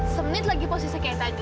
semenit lagi posisi kayak tadi